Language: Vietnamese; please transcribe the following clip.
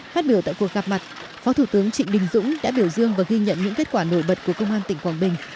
phát biểu tại cuộc gặp mặt phó thủ tướng trịnh đình dũng đã biểu dương và ghi nhận những kết quả nổi bật của công an tỉnh quảng bình